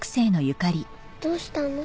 どうしたの？